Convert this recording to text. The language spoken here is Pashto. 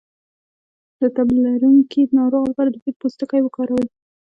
د تبه لرونکي ناروغ لپاره د بید پوستکی وکاروئ